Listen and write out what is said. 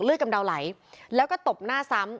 กำเดาไหลแล้วก็ตบหน้าซ้ำ